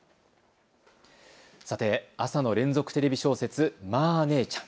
さて朝の連続テレビ小説、マー姉ちゃん。